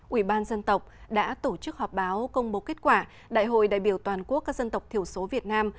ủy ban dân tộc đã tổ chức họp báo công bố kết quả đại hội đại biểu toàn quốc các dân tộc thiểu số việt nam